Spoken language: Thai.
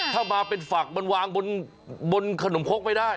ถ้ามาเป็นฝักมันวางบนขนมคกไม่ได้